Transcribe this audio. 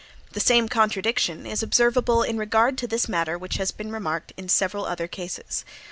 The same contradiction is observable in regard to this matter which has been remarked in several other cases.